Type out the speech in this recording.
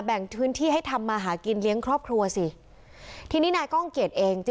แบ่งพื้นที่ให้ทำมาหากินเลี้ยงครอบครัวสิทีนี้นายก้องเกียจเอง